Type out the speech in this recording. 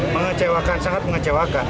mengecewakan sangat mengecewakan